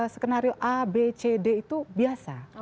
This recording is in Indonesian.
skenario a b c d itu biasa